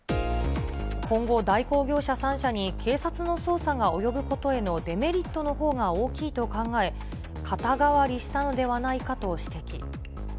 今後、代行業者３社に警察の捜査が及ぶことへのデメリットのほうが大きいと考え、肩代わりしたのではないかと指摘。